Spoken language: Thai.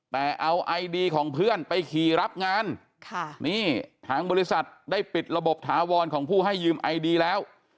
แต่เอาไอดีของเพื่อนไปขี่รับงานค่ะนี่ทางบริษัทได้ปิดระบบถาวรของผู้ให้ยืมไอดีแล้ว